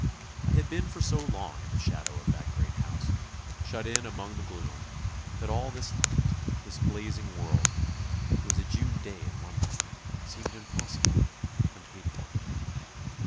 I had been for so long in the shadow of that great house, shut in among the gloom, that all this light, this blazing world it was a June day in London seemed impossible, and hateful.